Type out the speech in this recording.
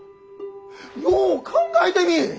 よう考えてみい！